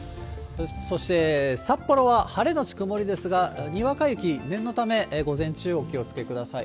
そして、札幌は晴れ後曇りですが、にわか雪、念のため午前中お気をつけください。